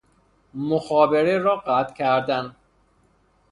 مخابره را قطع کردن